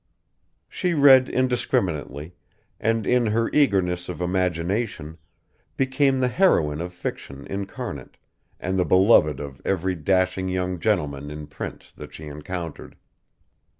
She read indiscriminately, and, in her eagerness of imagination, became the heroine of fiction incarnate and the beloved of every dashing young gentleman in print that she encountered.